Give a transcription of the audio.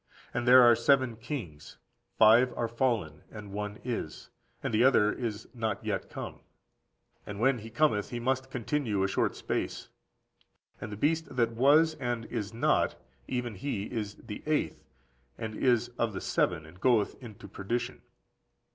And there are seven kings: five are fallen, and one is, and the other is not yet come; and when he cometh, he must continue a short space. And the beast that was and is not, (even he is the eighth,) and is of the seven, and goeth into perdition.